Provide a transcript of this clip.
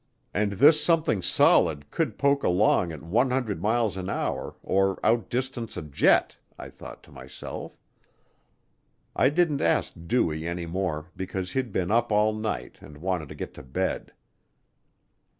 And this something solid could poke along at 100 miles an hour or outdistance a jet, I thought to myself. I didn't ask Dewey any more because he'd been up all night and wanted to get to bed.